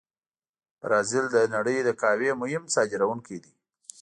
برازیل د نړۍ د قهوې مهم صادرونکي دي.